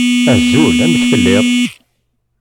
Azul! Amek telliḍ?